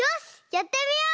やってみよう！